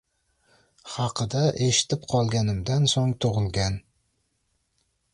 haqida eshitib qolganimdan so‘ng tug‘ilgan.